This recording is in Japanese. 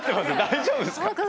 大丈夫っすか？